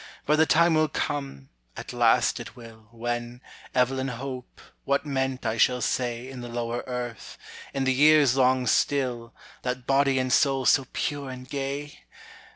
But the time will come at last it will When, Evelyn Hope, what meant, I shall say, In the lower earth, in the years long still, That body and soul so pure and gay?